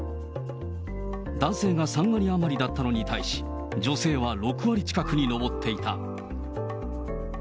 男性が３割余りだったのに対し、女性は６割近くに上っていた。